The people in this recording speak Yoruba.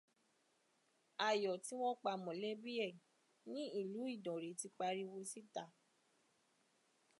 Ayọ̀ tí wọ́n pa mọ̀lẹ́bí ẹ̀ ní Ìlú Ìdànrè ti pariwo síta